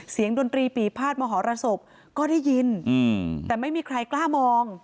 ดนตรีปีภาษมหรสบก็ได้ยินแต่ไม่มีใครกล้ามอง